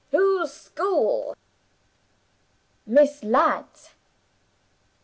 'Whose school?' 'Miss Ladd's.